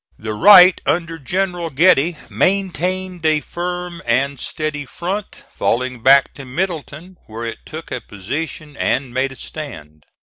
The right under General Getty maintained a firm and steady front, falling back to Middletown where it took a position and made a stand.